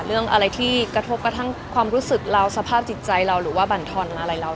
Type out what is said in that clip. เรื่องอะไรที่กระทบกระทั่งความรู้สึกเราสภาพจิตใจเราหรือว่าบรรทอนอะไรเรา